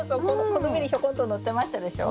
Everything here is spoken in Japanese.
この上にひょこんとのってましたでしょう。